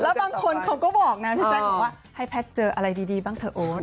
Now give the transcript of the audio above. แล้วบางคนเขาก็บอกนะพี่แจ๊คบอกว่าให้แพทย์เจออะไรดีบ้างเถอะโอ๊ต